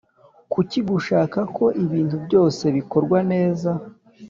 Kuki gushaka ko ibintu byose bikorwa neza